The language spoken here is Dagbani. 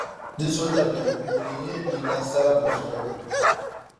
Di zo dabiεm, nyini n-yɛn nya nasara bɛ zuɣu.